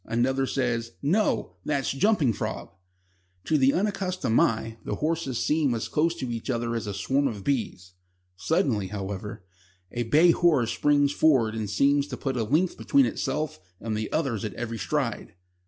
Another says: "No; that's Jumping Frog." To the unaccustomed eye the horses seem as close to each other as a swarm of bees. Suddenly, however, a bay horse springs forward and seems to put a length between itself and the others at every stride.